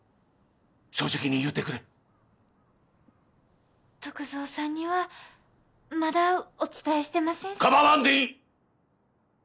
正直に言うてくれ篤蔵さんにはまだお伝えしてませんさけかばわんでいい！